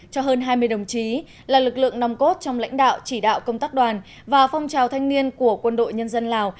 cho hơn hai mươi đồng chí là lực lượng nòng cốt trong lãnh đạo chỉ đạo công tác đoàn và phong trào thanh niên của quân đội nhân dân lào